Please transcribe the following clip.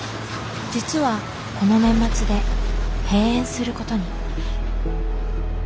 実はこの年末で閉園することに。